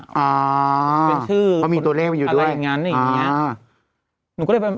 เป็นชื่ออะไรอย่างนั้นอย่างงี้